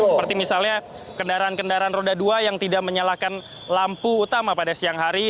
seperti misalnya kendaraan kendaraan roda dua yang tidak menyalakan lampu utama pada siang hari